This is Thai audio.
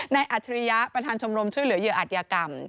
นายอาจริยะประธานชมรมช่วยเหลือเยอะอาจยากรรม